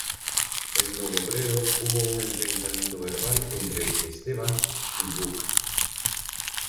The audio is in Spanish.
En Novo Brdo, hubo un enfrentamiento verbal entre Esteban y Vuk.